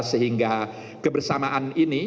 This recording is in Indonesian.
sehingga kebersamaan ini